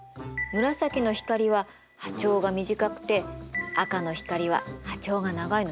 紫の光は波長が短くて赤の光は波長が長いのよ。